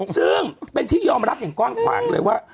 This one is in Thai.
ซึ่งเป็นที่ยอมรับอย่างกว้างขวางเลยว่า